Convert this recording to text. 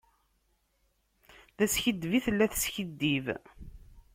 D askiddeb i tella tiskiddib.